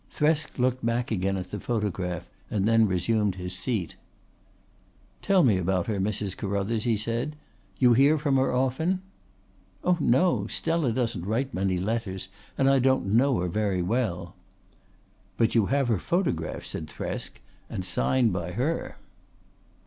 Thresk looked back again at the photograph and then resumed his seat. "Tell me about her, Mrs. Carruthers," he said. "You hear from her often?" "Oh no! Stella doesn't write many letters, and I don't know her very well." "But you have her photograph," said Thresk, "and signed by her."